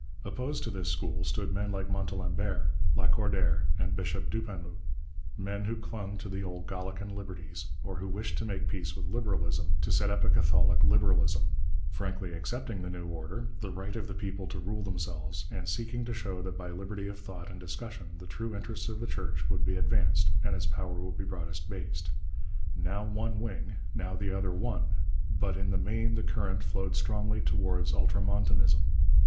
Opposed to this school stood men like Montalembert, Lacordaire, and Bishop Dupanloup men who clung to the old Gallican liberties, or who wished to make peace with liberalism, to set up a Catholic liberalism, frankly accepting the new order, the right of the people to rule themselves, and seeking to show that by liberty of thought and discussion the true interests of the Church would be advanced and its power be broadest based. Now one wing, now the other won, but in the main the current flowed strongly towards ultramontanism.